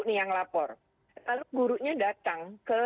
nih yang lapor lalu gurunya datang ke